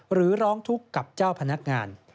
หรือร้องทุกข์กับเจ้าพนักงาน